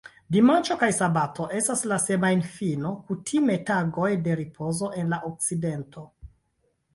Dimanĉo kaj sabato estas la "semajnfino", kutime tagoj de ripozo en la Okcidento.